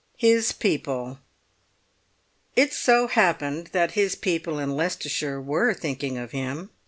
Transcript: HIS PEOPLE It so happened that his people in Leicestershire were thinking of him.